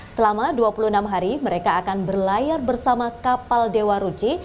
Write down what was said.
selama dua puluh enam hari mereka akan berlayar bersama kapal dewa ruchi